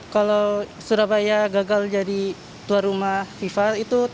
kalau surabaya gagal jadi tuan rumah fifa